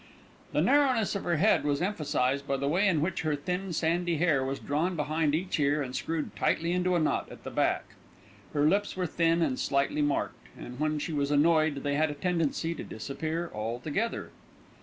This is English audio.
The narrowness of her head was emphasised by the way in which her thin, sandy hair was drawn behind each ear and screwed tightly into a knot at the back. Her lips were thin and slightly marked, and when she was annoyed they had a tendency to disappear altogether.